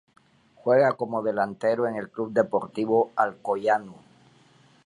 Juega como delantero en el Club Deportivo Alcoyano.